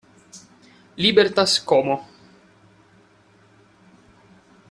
Libertas Como.